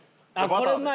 これうまいわ。